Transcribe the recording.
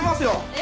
え？